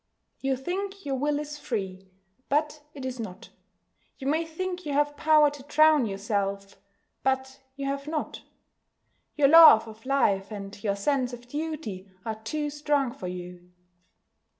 You think your will is free. But it is not. You may think you have power to drown yourself; but you have not. Your love of life and your sense of duty are too strong for you.